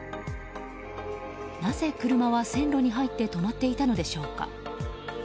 なぜ車は線路に入って止まっていたのでしょうか。